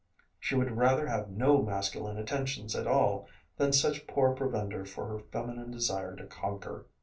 She would rather have no masculine attentions at all than such poor provender for her feminine desire to conquer.